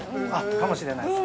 ◆かもしれないです。